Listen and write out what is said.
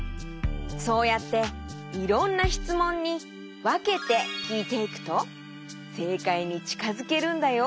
そうやっていろんなしつもんにわけてきいていくとせいかいにちかづけるんだよ。